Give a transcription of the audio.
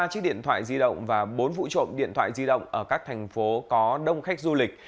ba chiếc điện thoại di động và bốn vụ trộm điện thoại di động ở các thành phố có đông khách du lịch